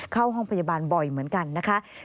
เข้าห้องพยาบาลบ่อยเหมือนกันนะคะ